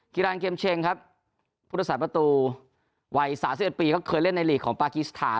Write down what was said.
กีฬานเกมเชงครับพุทธศาสตประตูวัย๓๑ปีก็เคยเล่นในลีกของปากีสถาน